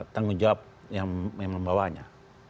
tanggung jawab yang membawanya